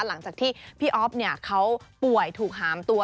หลังจากที่พี่อ๊อฟเขาป่วยถูกหามตัว